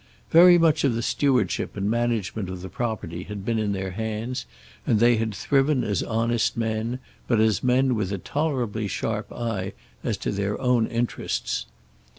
Very much of the stewardship and management of the property had been in their hands, and they had thriven as honest men, but as men with a tolerably sharp eye to their own interests.